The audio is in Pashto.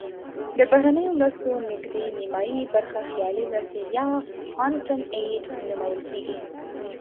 د بهرنیو مرستو نزدې نیمایي برخه خیالي مرستې یا phantom aid نومول کیږي.